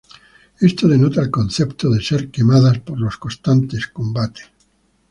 Esto denota el concepto de ser "quemadas" por los constantes combates.